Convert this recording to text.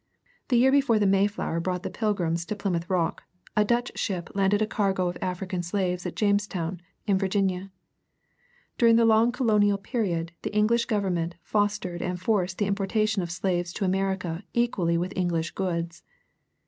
The year before the Mayflower brought the Pilgrims to Plymouth Bock, a Dutch ship landed a cargo of African slaves at Jamestown, in Virginia. During the long colonial period the English Government fostered and forced the importation of slaves to America equally with English goods.